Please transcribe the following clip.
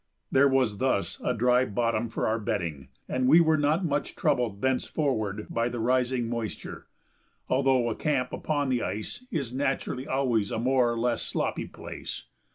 There was thus a dry bottom for our bedding, and we were not much troubled thenceforward by the rising moisture, although a camp upon the ice is naturally always a more or less sloppy place.